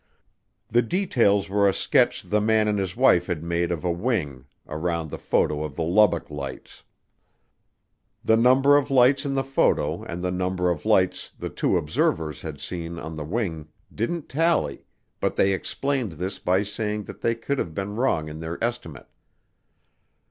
The details were a sketch the man and his wife had made of a wing around the photo of the Lubbock Lights. The number of lights in the photo and the number of lights the two observers had seen on the wing didn't tally, but they explained this by saying that they could have been wrong in their estimate.